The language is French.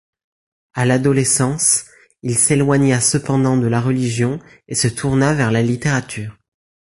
À l'adolescence, il s'éloigna cependant de la religion et se tourna vers la littérature.